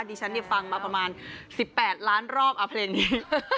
ดิฉันฟังมาประมาณ๑๘ล้านรอบเอาเพลงนี้